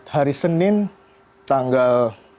hari senin tanggal delapan belas